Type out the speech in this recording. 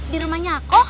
di rumahnya aku